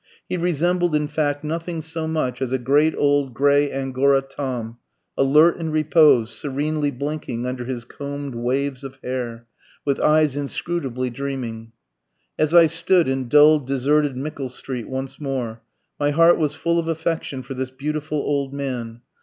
He resembled, in fact, nothing so much as "a great old grey Angora Tom," alert in repose, serenely blinking under his combed waves of hair, with eyes inscrutably dreaming.... As I stood in dull, deserted Mickle Street once more, my heart was full of affection for this beautiful old man